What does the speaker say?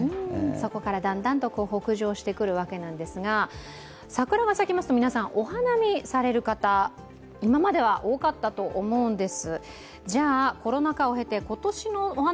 そこからだんだんと北上してくるわけですが、桜が咲きますと、お花見される方今までは多かったと思うんです。